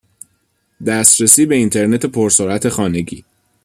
دسترسی به اینترنت پر سرعت خانگی